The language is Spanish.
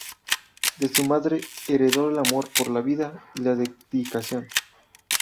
De su madre heredó el amor por la vida y la dedicación.